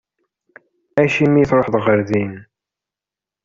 Acimi i tṛuḥeḍ ɣer din?